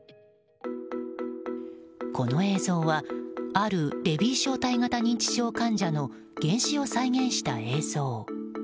この映像はあるレビー小体型認知症患者の幻視を再現した映像。